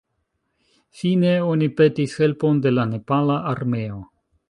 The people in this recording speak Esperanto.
Fine, oni petis helpon de la Nepala Armeo.